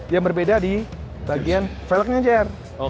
yang berbeda di bagian velognya jer